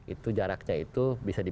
itu jaraknya itu bisa di